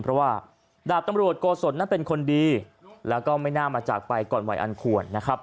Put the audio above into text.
เพราะว่าดาบตำรวจโกศลนั้นเป็นคนดีแล้วก็ไม่น่ามาจากไปก่อนวัยอันควรนะครับ